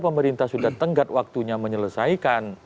pemerintah sudah tenggat waktunya menyelesaikan